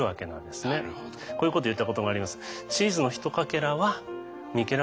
こういうこと言ったことがあります。